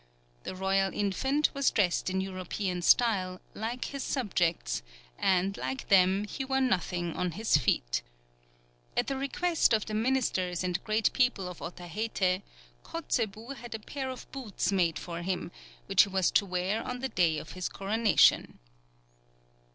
The royal infant was dressed in European style, like his subjects, and like them, he wore nothing on his feet. At the request of the ministers and great people of Otaheite, Kotzebue had a pair of boots made for him, which he was to wear on the day of his coronation.